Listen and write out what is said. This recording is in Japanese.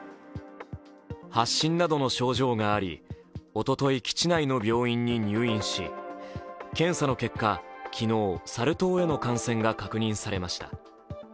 発疹などの症状があり、おととい基地内の病院に入院し、検査の結果、昨日、サル痘への感染が確認されました。